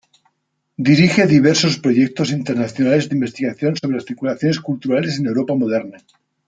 Dirige diversos proyectos internacionales de investigación sobre las circulaciones culturales en la Europa Moderna.